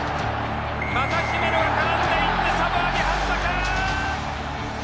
また姫野が絡んでいってサモアに反則。